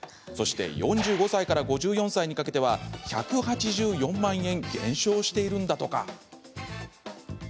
そして４５歳から５４歳にかけては１８４万円減少しているんだとか。